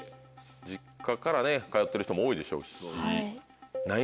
実家からね通ってる人も多いでしょうし。